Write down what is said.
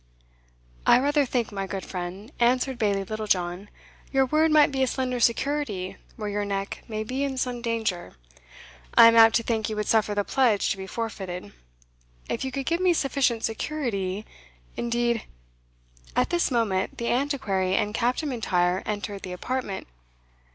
"I rather think, my good friend," answered Bailie Littlejohn, "your word might be a slender security where your neck may be in some danger. I am apt to think you would suffer the pledge to be forfeited. If you could give me sufficient security, indeed" At this moment the Antiquary and Captain M'Intyre entered the apartment.